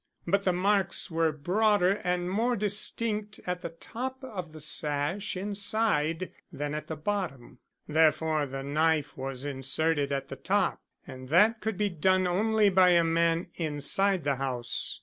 But the marks were broader and more distinct at the top of the sash inside than at the bottom. Therefore the knife was inserted at the top, and that could be done only by a man inside the house."